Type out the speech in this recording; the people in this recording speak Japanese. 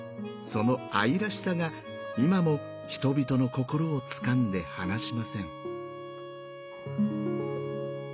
その愛らしさが今も人々の心をつかんで離しません。